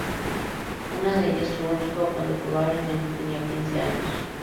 Una de ellas tuvo un hijo cuando probablemente tenía quince años.